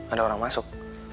ada orang masuk